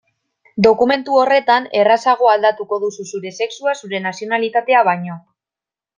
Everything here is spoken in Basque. Dokumentu horretan errazago aldatuko duzu zure sexua zure nazionalitatea baino.